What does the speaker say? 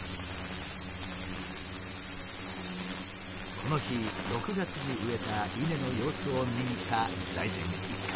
この日６月に植えた稲の様子を見に来た財前一家。